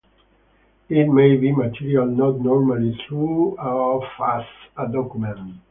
It may be material not normally thought of as a 'document'.